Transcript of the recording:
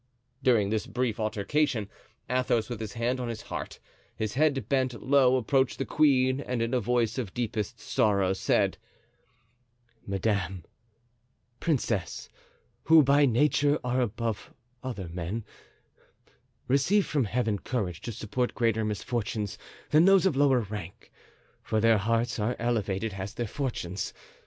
During this brief altercation Athos, with his hands on his heart, his head bent low, approached the queen and in a voice of deepest sorrow said: "Madame, princes—who by nature are above other men—receive from Heaven courage to support greater misfortunes than those of lower rank, for their hearts are elevated as their fortunes.